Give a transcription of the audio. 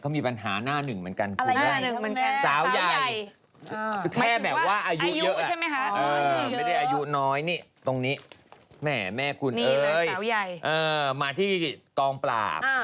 มาที่กองปราบ